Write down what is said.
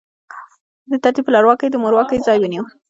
په دې ترتیب پلارواکۍ د مورواکۍ ځای ونیو.